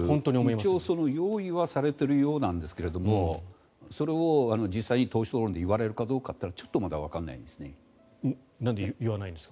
一応用意はされているようですがそれを実際に党首討論で言われるかどうかはちょっとまだわからないんですね。